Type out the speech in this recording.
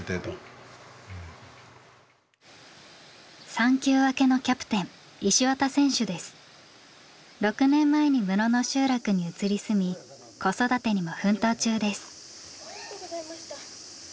産休明けのキャプテン６年前に室野集落に移り住み子育てにも奮闘中です。